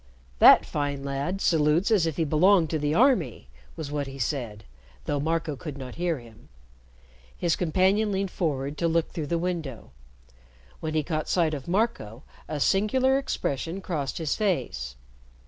"That fine lad salutes as if he belonged to the army," was what he said, though Marco could not hear him. His companion leaned forward to look through the window. When he caught sight of Marco, a singular expression crossed his face.